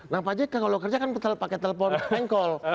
nah pak jk kalau kerja kan pakai telepon menkol